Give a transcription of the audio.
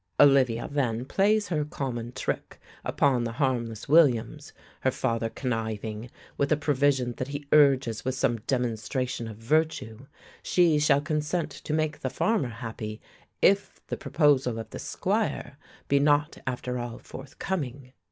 Olivia, then, plays her common trick upon the harmless Williams, her father conniving, with a provision that he urges with some demonstration of virtue: she shall consent to make the farmer happy if the proposal of the squire be not after all forthcoming.